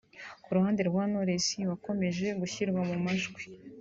Ku ruhande rwa Knowless wakomeje gushyirwa mu majwi